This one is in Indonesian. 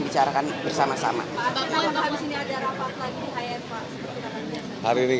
dikeluarkan bersama sama hari ini ada karena kita fokus dulu kalau ini juga buat nanti malam